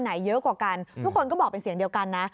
เยอะกว่ากันทุกคนก็บอกเป็นเสียงเดียวกันนะ